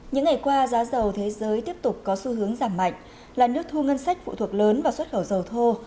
những ngày qua giá dầu thế giới tiếp tục có xu hướng giảm mạnh là nước thu ngân sách phụ thuộc lớn vào xuất khẩu dầu thô